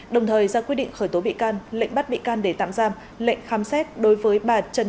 đồng thời ra quyết định khởi tố bị can lệnh bắt bị can để tạm giam lệnh khám xét đối với bà trần